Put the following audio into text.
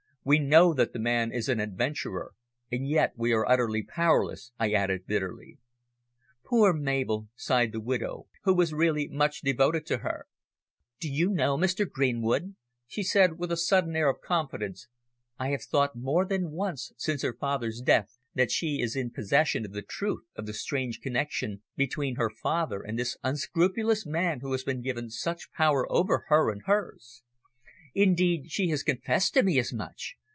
"We know that the man is an adventurer, and yet we are utterly powerless," I added bitterly. "Poor Mabel!" sighed the widow, who was really much devoted to her. "Do you know, Mr. Greenwood," she said, with a sudden air of confidence, "I have thought more than once since her father's death that she is in possession of the truth of the strange connexion between her father and this unscrupulous man who has been given such power over her and hers. Indeed, she has confessed to me as much.